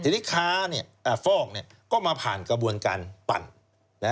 ทีนี้ค้าฟอกก็มาผ่านกระบวนการปั่น